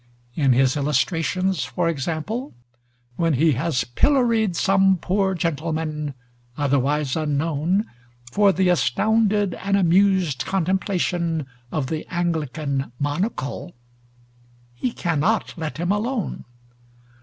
In his illustrations, for example, when he has pilloried some poor gentleman, otherwise unknown, for the astounded and amused contemplation of the Anglican monocle, he cannot let him alone.